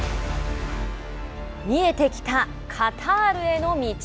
見えてきたカタールへの道。